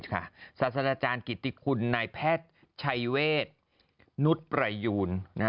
ศาสตราจารย์กิติคุณนายแพทย์ชัยเวทนุษย์ประยูน